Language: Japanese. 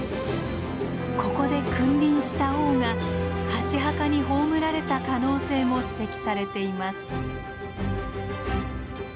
ここで君臨した王が箸墓に葬られた可能性も指摘されています。